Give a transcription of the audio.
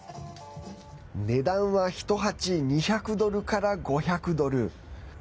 値段は１鉢２００ドルから５００ドル。